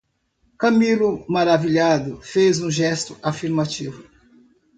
Camilo, maravilhado, fez um gesto afirmativo.